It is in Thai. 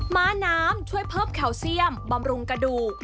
ม้าน้ำช่วยเพิ่มแคลเซียมบำรุงกระดูก